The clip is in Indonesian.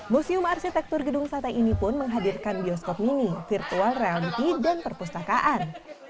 museum arsitektur gedung sate ini pun menghadirkan bioskop mini virtual reality dan perpustakaan